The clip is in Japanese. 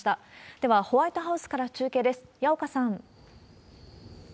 では、ホワイトハウスから中継です。